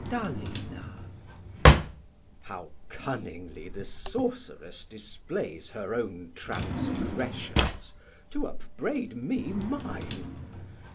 Sam: How cunningly the sorceress displays Her own transgressions, to upbraid me mine!